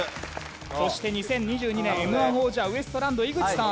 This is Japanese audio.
そして２０２２年Ｍ−１王者ウエストランド井口さん。